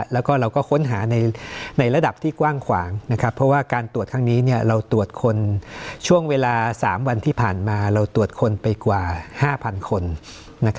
แล้วก็เราก็ค้นหาในระดับที่กว้างขวางเพราะว่าการตรวจครั้งนี้เราตรวจคนช่วงเวลา๓วันที่ผ่านมาเราตรวจคนไปกว่า๕๐๐๐คน